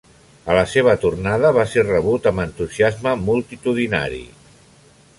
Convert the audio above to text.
A la seva tornada va ser rebut amb entusiasme multitudinari.